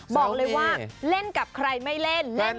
บอกเลยว่าเล่นกับใครไม่เล่นเล่น